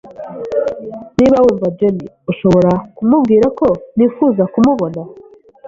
Niba wumva Jenny, ushobora kumubwira ko nifuza kumubona?